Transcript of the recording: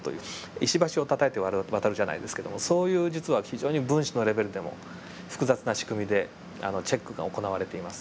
石橋をたたいて渡るじゃないですけどもそういう実は非常に分子のレベルでも複雑な仕組みでチェックが行われています。